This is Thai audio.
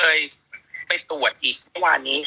ก็เลยไปตรวจอีกวันนี้